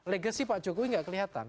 legacy pak jokowi nggak kelihatan